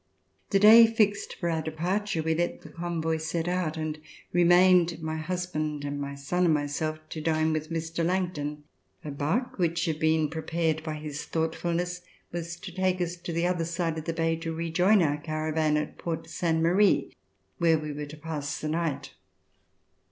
The day fixed for our departure we let the convoy set out and remained, my husband, my son and myself, to dine with Mr. Langton. A bark which had been prepared by his thoughtfulness was to take us to the other side of the bay to rejoin our caravan at Port Sainte Marie where we were to pass the night.